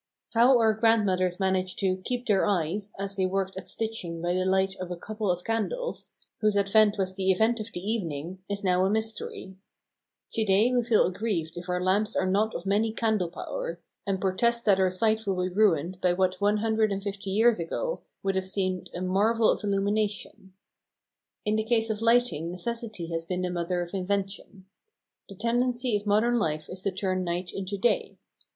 How our grandmothers managed to "keep their eyes" as they worked at stitching by the light of a couple of candles, whose advent was the event of the evening, is now a mystery. To day we feel aggrieved if our lamps are not of many candle power, and protest that our sight will be ruined by what one hundred and fifty years ago would have seemed a marvel of illumination. In the case of lighting necessity has been the mother of invention. The tendency of modern life is to turn night into day.